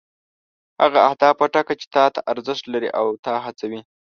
هغه اهداف وټاکه چې تا ته ارزښت لري او تا هڅوي.